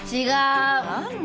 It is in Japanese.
違う。